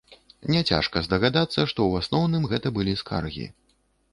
Няцяжка здагадацца, што ў асноўным гэта былі скаргі.